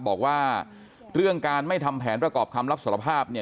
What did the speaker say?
บอกว่าเรื่องการไม่ทำแผนประกอบคำรับสารภาพเนี่ย